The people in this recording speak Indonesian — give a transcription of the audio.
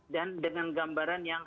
dan dengan gambaran yang